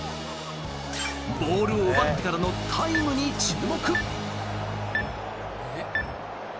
ボールを奪ってからのタイムに注目。